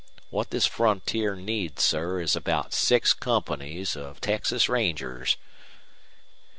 What this frontier needs, sir, is about six companies of Texas Rangers."